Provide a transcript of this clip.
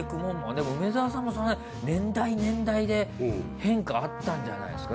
でも梅沢さんも年代年代で変化あったんじゃないですか？